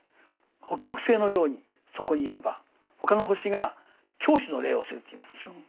北極星のようにそこにいれば他の星が拱手の礼をするといいますでしょう。